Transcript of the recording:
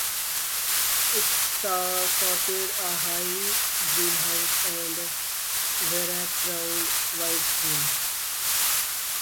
It sported a high greenhouse and a wraparound windscreen.